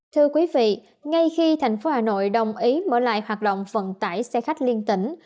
thưa quý vị ngay khi thành phố hà nội đồng ý mở lại hoạt động vận tải xe khách liên tỉnh